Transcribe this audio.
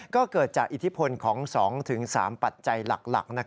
ก็เกิดจากอิทธิพลของ๒๓ปัจจัยหลัก